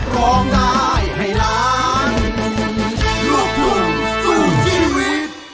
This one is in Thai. เพราะเพราะจึงไม่พอให้เธอเห็นใจ